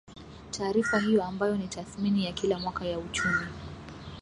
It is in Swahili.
Taarifa hiyo ambayo ni tathmini ya kila mwaka ya uchumi